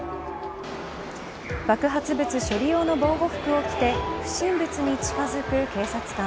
爆発物処理用の防護服を着て不審物に近づく警察官。